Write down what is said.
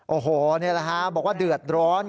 โอ้โหนี่แหละฮะบอกว่าเดือดร้อน